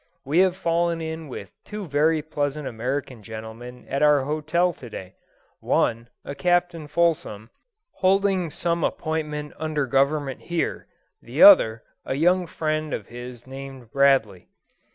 We have fallen in with two very pleasant American gentlemen at our hotel to day one, a Captain Fulsom, holding some appointment under Government here; the other, a young friend of his named Bradley.